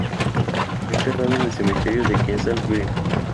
Fue enterrado en el cementerio de Kensal Green.